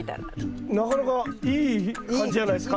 なかなかいい感じじゃないですか。